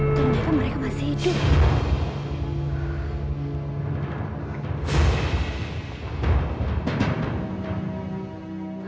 ternyata mereka masih hidup